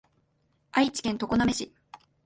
愛知県常滑市